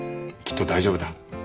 きっと大丈夫だ。